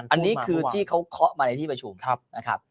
อันนี้คือที่เขาเคาะมาในที่ประชุมนะครับ